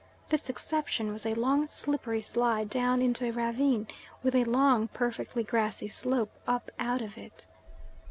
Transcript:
This exception was a long slippery slide down into a ravine with a long, perfectly glassy slope up out of it.